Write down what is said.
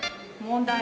問題？